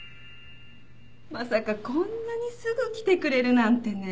まさかこんなにすぐ来てくれるなんてね。